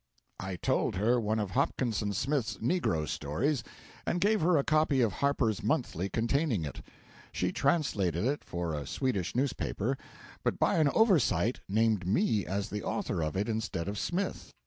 I told her one of Hopkinson Smith's Negro stories, and gave her a copy of 'Harper's Monthly' containing it. She translated it for a Swedish newspaper, but by an oversight named me as the author of it instead of Smith.